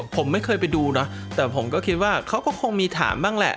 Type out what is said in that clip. ผมไม่เคยไปดูนะแต่ผมก็คิดว่าเขาก็คงมีถามบ้างแหละ